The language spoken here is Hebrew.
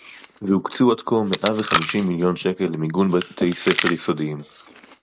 והוקצו עד כה מאה וחמישים מיליון שקל למיגון בתי-ספר יסודיים